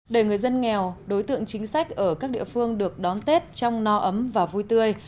để người dân nghèo đối tượng chính sách ở các địa phương được đón tết trong no ấm và vui tươi